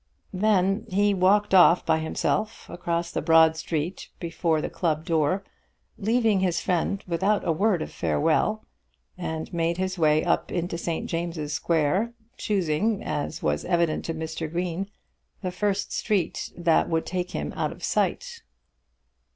Then he walked off by himself across the broad street before the club door, leaving his friend without a word of farewell, and made his way up into St. James's Square, choosing, as was evident to Mr. Green, the first street that would take him out of sight.